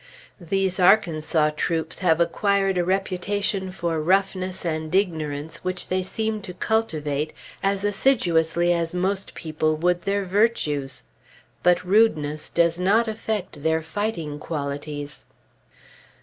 These Arkansas troops have acquired a reputation for roughness and ignorance which they seem to cultivate as assiduously as most people would their virtues. But rudeness does not affect their fighting qualities.